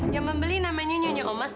yang membeli namanya nyonya omas